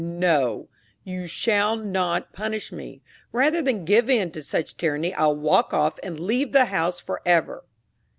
No, you shall not punish me; rather than give in to such tyranny I'll walk off and leave the house for ever!"